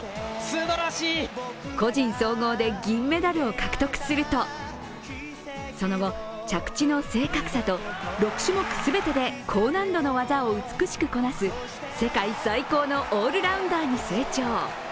個人総合で銀メダルを獲得すると、その後、着地の正確さと６種目全てで高難度の技を美しくこなす世界最高のオールラウンダーに成長。